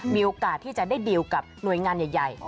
มีโอกาสที่จะได้ดีลกับหน่วยงานใหญ่